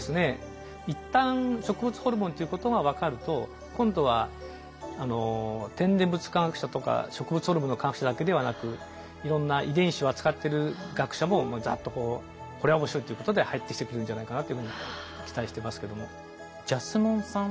一旦植物ホルモンということが分かると今度は天然物化学者とか植物ホルモンの科学者だけではなくいろんな遺伝子を扱ってる学者もざっとこうこれは面白いということで入ってきてくるんじゃないかなというふうに期待してますけども。